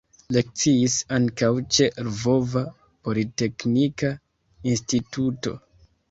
Lekciis ankaŭ ĉe Lvova Politeknika Instituto.